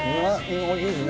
おいしいですね。